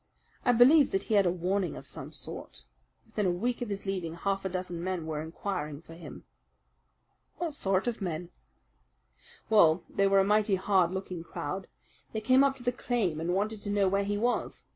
I believe that he had a warning of some sort. Within a week of his leaving half a dozen men were inquiring for him." "What sort of men?" "Well, they were a mighty hard looking crowd. They came up to the claim and wanted to know where he was.